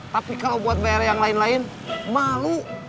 tapi kalau buat bayar yang lain lain malu